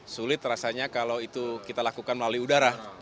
sulit rasanya kalau itu kita lakukan melalui udara